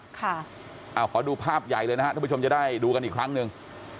ขอดูภาพใหญ่เลยนะครับท่านผู้ชมจะได้ดูกันอีกครั้งหนึ่ง